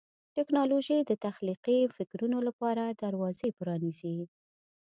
ټیکنالوژي د تخلیقي فکرونو لپاره دروازې پرانیزي.